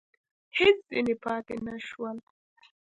هېڅ ځني پاته نه شول !